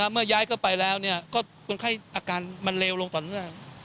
เมื่อย้ายเข้าไปแล้วก็คนไข้อาการมันเลวลงต่อเนื่อง